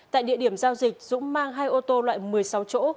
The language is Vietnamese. tại địa điểm giao dịch dũng mang hai ô tô loại một mươi sáu chỗ